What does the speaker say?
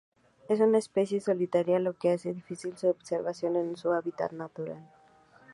Es una especie solitaria, lo que hace difícil su observación en su hábitat natural.